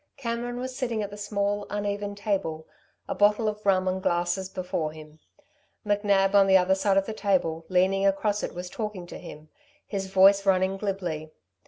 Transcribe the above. Cameron was sitting at the small, uneven table, a bottle of rum and glasses before him. McNab on the other side of the table, leaning across it was talking to him, his voice running glibly.